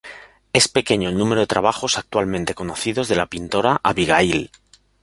Es pequeño el número de trabajos actualmente conocidos de la pintora Abigail.